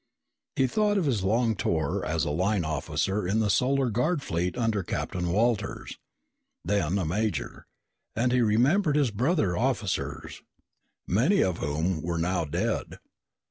He thought of his long tour as a line officer in the Solar Guard fleet under Commander Walters, then a major, and he remembered his brother officers, many of whom were now dead.